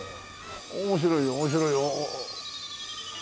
面白い面白いよ。